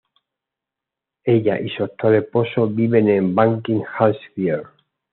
Ella y su actual esposo viven en Buckinghamshire.